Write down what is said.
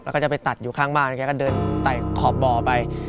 แล้วก็จะไปตัดอยู่ข้างบ้านแล้วแกก็เดินไต่ขอบบ่อไป